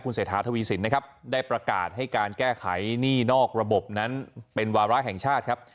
เศรษฐาทวีสินนะครับได้ประกาศให้การแก้ไขหนี้นอกระบบนั้นเป็นวาระแห่งชาติครับ